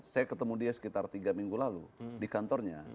saya ketemu dia sekitar tiga minggu lalu di kantornya